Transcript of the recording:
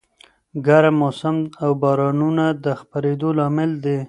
ګرم موسم او بارانونه د خپرېدو لامل دي.